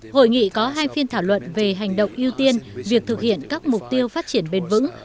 hội nghị có hai phiên thảo luận về hành động ưu tiên việc thực hiện các mục tiêu phát triển bền vững